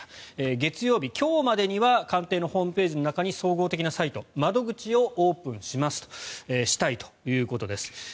月曜日、今日までには官邸のホームページの中に総合的なサイト窓口をオープンしたいということです。